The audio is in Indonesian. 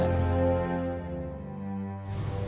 aku selalu datang ke kumbayan